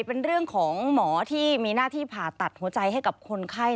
เป็นเรื่องของหมอที่มีหน้าที่ผ่าตัดหัวใจให้กับคนไข้